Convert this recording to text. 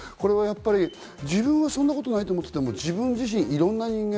自分はそんなことないと思っていても、いろんな人間